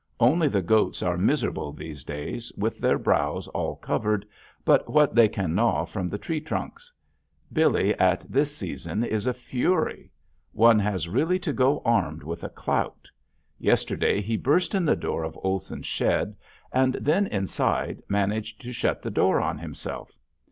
Only the goats are miserable these days with their browse all covered but what they can gnaw from the tree trunks. Billy at this season is a fury. One has really to go armed with a clout. Yesterday he burst in the door of Olson's shed and then inside managed to shut the door on himself.